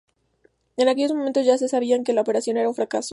En aquellos momentos ya se sabía que la operación era un fracaso.